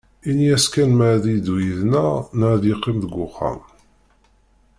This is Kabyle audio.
Ini-as kan ma ad iddu id-neɣ neɣ ad iqqim deg uxxam.